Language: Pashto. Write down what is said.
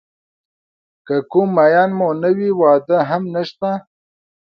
که کوم مېن مو نه وي واده هم نشته.